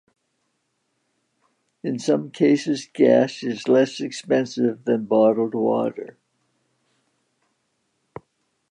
In some cases, gas is less expensive than bottled water.